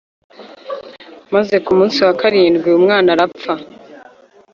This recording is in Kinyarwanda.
Maze ku munsi wa karindwi umwana arapfa.